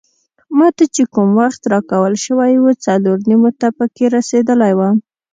ما ته چې کوم وخت راکول شوی وو څلور نیمو ته پکې رسیدلی وم.